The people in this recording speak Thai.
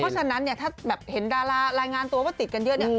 เพราะฉะนั้นเนี่ยถ้าแบบเห็นดารารายงานตัวว่าติดกันเยอะเนี่ย